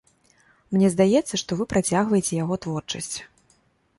Мне здаецца, што вы працягваеце яго творчасць.